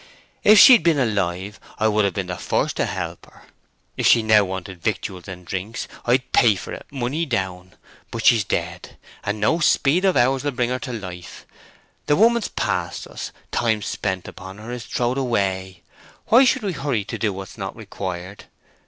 If she'd been alive, I would have been the first to help her. If she now wanted victuals and drink, I'd pay for it, money down. But she's dead, and no speed of ours will bring her to life. The woman's past us—time spent upon her is throwed away: why should we hurry to do what's not required?